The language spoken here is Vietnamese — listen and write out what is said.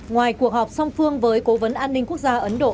ngoài cuộc họp song phương với cố vấn an ninh quốc gia ấn độ